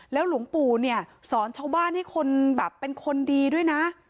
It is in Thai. หลวงปู่เนี่ยสอนชาวบ้านให้คนแบบเป็นคนดีด้วยนะ